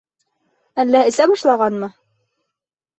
Әллә эсә башлағанмы?